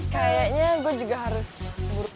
kayaknya gue juga harus buru buru deh